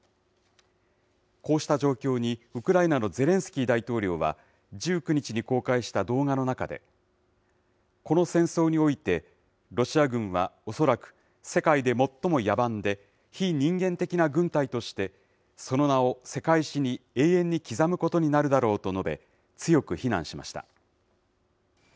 こうした状況に、ウクライナのゼレンスキー大統領は１９日に公開した動画の中で、この戦争において、ロシア軍はおそらく、世界で最も野蛮で、非人間的な軍隊として、その名を世界史に永遠に刻むことになるだろうと述べ、強く非難しました。